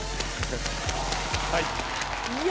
はい！